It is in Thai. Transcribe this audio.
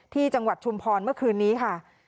จังหวัดชุมพรเมื่อคืนนี้ค่ะ